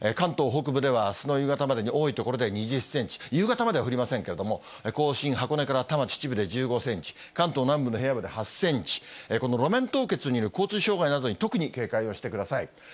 関東北部では、あすの夕方までに多い所で２０センチ、夕方までは降りませんけれども、甲信、箱根から多摩、秩父で１５センチ、関東南部の平野部で８センチ、この路面凍結による交通障害などに特に警戒をしてください。